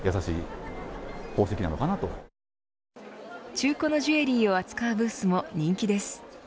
中古のジュエリーを扱うブースも人気です。